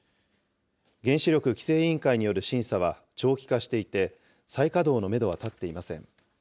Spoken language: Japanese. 原子力規制委員会による審査は長期化していて、再稼働のメドは立っていません。